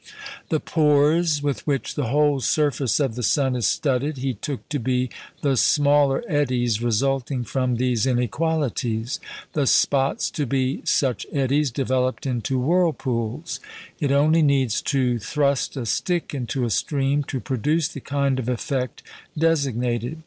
The "pores" with which the whole surface of the sun is studded he took to be the smaller eddies resulting from these inequalities; the spots to be such eddies developed into whirlpools. It only needs to thrust a stick into a stream to produce the kind of effect designated.